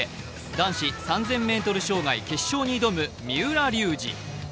男子３０００ｍ障害決勝に挑む三浦龍司。